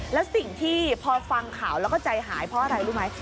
แล้วสิ่งที่พอฟังข่าวแล้วก็ใจหายเพราะอะไรรู้ไหม